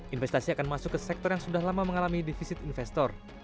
investasi akan masuk ke sektor yang sudah lama mengalami defisit investor